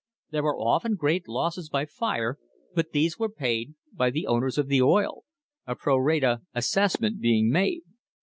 There were often great losses by fire, but these were paid by the owners of the oil a pro rata assessment being made.